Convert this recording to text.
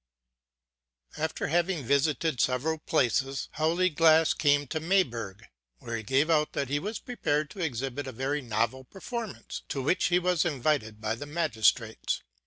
After having visited several places, Howleglass came to Mey burg, where he gave out that he was prepared to exhibit a very novel performance, to which he was invited by the magistrates.